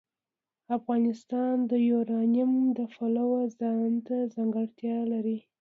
افغانستان د یورانیم د پلوه ځانته ځانګړتیا لري.